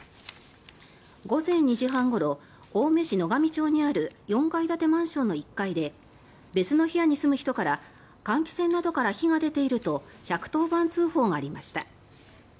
午前２時半ごろ青梅市野上町にある４階建てマンションの１階で別の部屋に住む人から換気扇などから火が出ていると１１０番通報がありました。